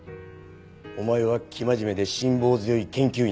お前は生真面目で辛抱強い研究員だった。